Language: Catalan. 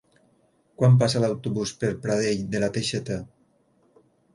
Quan passa l'autobús per Pradell de la Teixeta?